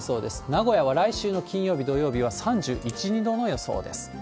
名古屋は来週の金曜日、土曜日は３１、２度の予想です。